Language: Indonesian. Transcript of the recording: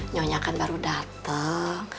nyonya kan baru dateng